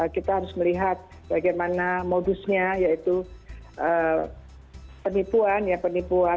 kita harus melihat bagaimana modusnya yaitu penipuan ya penipuan